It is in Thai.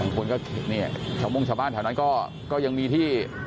บางคนก็เห็นเนี่ยแถวโมงชาวบ้านแถวนั้นก็ยังมีที่